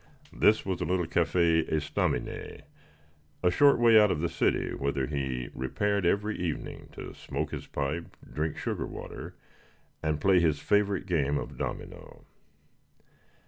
This was a little café estaminet a short way out of the city, whither he repaired every evening to smoke his pipe, drink sugar water, and play his favorite game of domino.